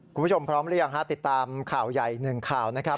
คุณผู้ชมพร้อมหรือยังฮะติดตามข่าวใหญ่หนึ่งข่าวนะครับ